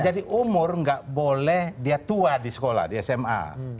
jadi umur gak boleh dia tua di sekolah di sma